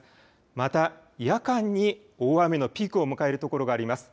また夜間に大雨のピークを迎える所があります。